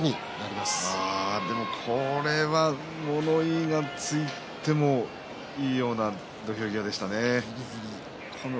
これは物言いがついてもいいような土俵際でしたね。